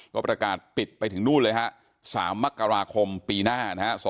ก็ประกาศปิดไปถึงนู่นเลยฮะ๓มกราคมปีหน้านะฮะ